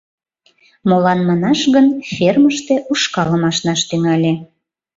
Молан манаш гын фермыште ушкалым ашнаш тӱҥале.